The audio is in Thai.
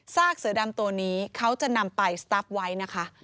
กเสือดำตัวนี้เขาจะนำไปสตาร์ฟไว้นะคะ